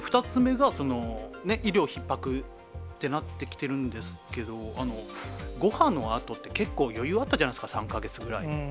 ２つ目が、その医療ひっ迫ってなってきてるんですけれども、５波のあとって結構余裕あったじゃないですか、３か月ぐらい。